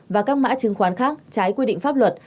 và các mã chứng khoán khác trái quy định pháp luật